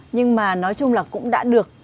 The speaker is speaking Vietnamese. nhưng mà nói chung là cũng đã được